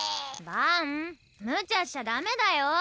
バンむちゃしちゃダメだよ。